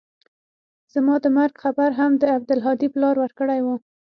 زما د مرګ خبر هم د عبدالهادي پلار ورکړى و.